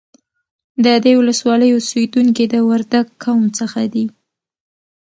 د دې ولسوالۍ اوسیدونکي د وردگ قوم څخه دي